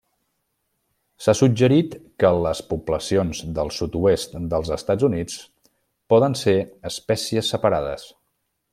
S'ha suggerit que les poblacions del sud-oest dels Estats Units poden ser espècies separades.